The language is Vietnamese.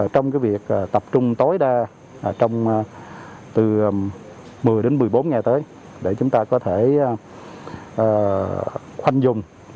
trong việc tập trung tối đa từ một mươi đến một mươi bốn ngày tới để chúng ta có thể khoanh vùng